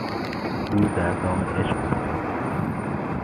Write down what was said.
او در دام عشق افتاد.